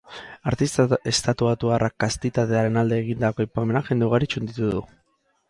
Artista estatubatuarrak kastitatearen alde egindako aipamenak jende ugari txunditu du.